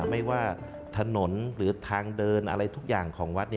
ไม่ว่าถนนหรือทางเดินอะไรทุกอย่างของวัด